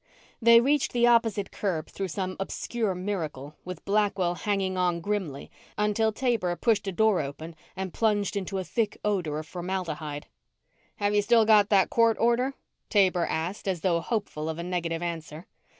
They reached the opposite curb through some obscure miracle, with Blackwell hanging on grimly until Taber pushed a door open and plunged into a thick odor of formaldehyde. "Have you still got that court order?" Taber asked as though hopeful of a negative answer.